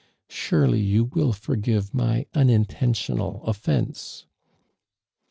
Surely you will forgive my unintentional offence?"